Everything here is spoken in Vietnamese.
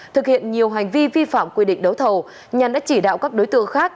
thực hiện nhiều hành vi vi phạm quy định đấu thầu nhàn đã chỉ đạo các đối tượng khác